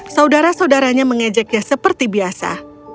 saudara saudaranya mengejeknya seperti biasa